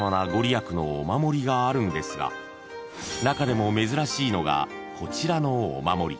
［があるんですが中でも珍しいのがこちらのお守り］